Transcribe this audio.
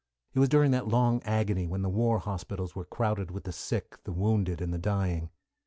It was during that long agony when the war hospitals were crowded with the sick, the wounded, and the dying.